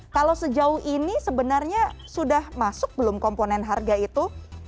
kalau sejauh ini sebenarnya sudah masuk belum komponen harga itu